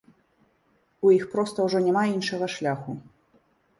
У іх проста ўжо няма іншага шляху.